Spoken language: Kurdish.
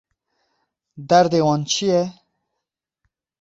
Derdê wan çi ye?